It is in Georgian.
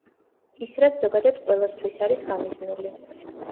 ის, რაც ზოგადად ყველასთვის არის გამიზნული.